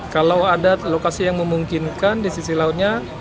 kalau ada lokasi yang memungkinkan di sisi lautnya